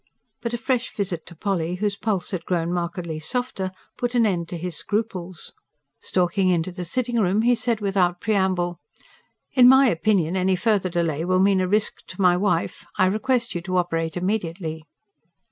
But a fresh visit to Polly, whose pulse had grown markedly softer, put an end to his scruples. Stalking into the sitting room he said without preamble: "In my opinion any further delay will mean a risk to my wife. I request you to operate immediately."